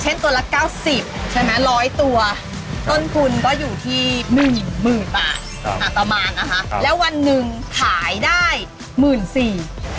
แต่ถ้าเขาติดเตาสองเตาสามแล้วเนี่ย